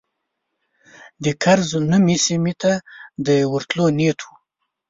د کرز نومي سیمې ته د ورتلو نیت و.